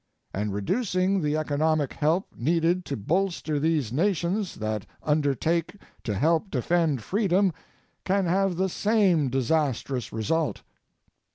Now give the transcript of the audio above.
And reducing the economic help needed to bolster these nations that undertake to help defend freedom can have the same disastrous result.